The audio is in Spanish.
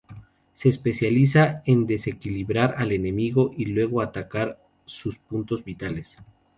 Se especializa en desequilibrar al enemigo y luego atacar sus puntos vitales.